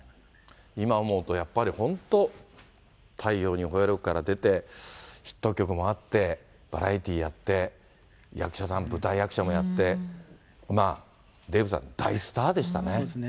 今思うとやっぱり、本当、太陽にほえろ！から出て、ヒット曲もあって、バラエティーやって、役者さん、舞台役者もやって、まあ、そうですね。